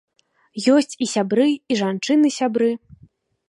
Ёсць і сябры, і жанчыны-сябры.